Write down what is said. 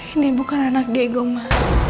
ini bukan anak diego ma